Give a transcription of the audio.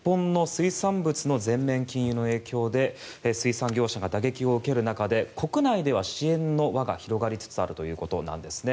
日本の水産物の全面禁輸の影響で、水産業者が打撃を受ける中で国内では支援の輪が広がりつつあるということなんですね。